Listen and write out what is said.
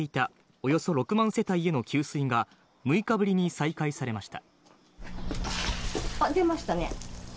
およそ６万世帯への給水が、６日ぶりに再開され出ましたね。